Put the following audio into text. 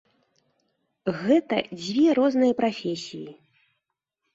Гэта дзве розныя прафесіі.